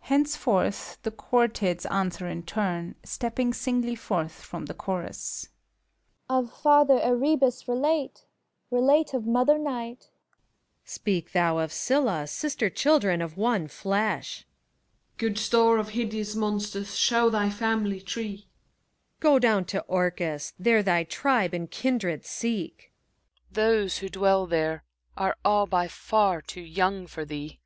{Henceforth the Chorktids answer in turn, stepping singly forth from the Chorus.) CHORETID I. Of Father Erebus relate, relate of Mother Night! PHORKYAS. Speak thou of Scylla, sister children of one flesh ! CHORETID II. Gk>od store of hideous monsters shows thy family tree ! PHORKYAS. Go down to Orcus ! There thy tribe and kindred seek 1 CHORETID III. Those who dwell there are all by far too young for thee.